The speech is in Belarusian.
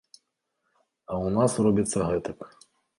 А ў нас робіцца гэтак.